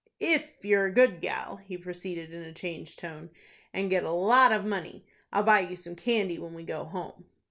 "If you're a good gal," he proceeded, in a changed tone, "and get a lot of money, I'll buy you some candy when we go home."